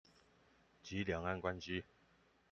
及兩岸關係